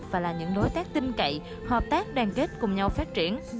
và là những đối tác tin cậy hợp tác đoàn kết cùng nhau phát triển